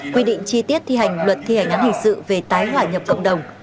quy định chi tiết thi hành luật thi hành án hình sự về tái hòa nhập cộng đồng